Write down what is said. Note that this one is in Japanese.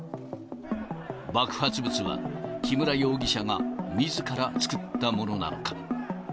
爆発物は木村容疑者がみずから作ったものなのか。